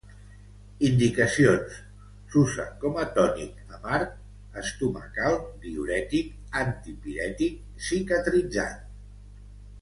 Indicacions: s'usa com a tònic amarg, estomacal, diürètic, antipirètic, cicatritzant.